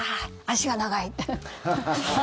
足が長いって。